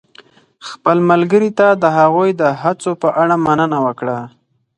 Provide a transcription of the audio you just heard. خپل ملګري ته د هغوی د هڅو په اړه مننه وکړه.